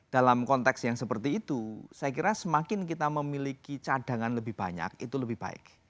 dalam konteks yang seperti itu saya kira semakin kita memiliki cadangan lebih banyak itu lebih baik